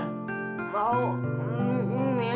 yaudah deh ijan makan aja ya